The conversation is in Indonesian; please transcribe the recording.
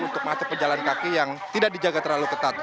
untuk masuk pejalan kaki yang tidak dijaga terlalu ketat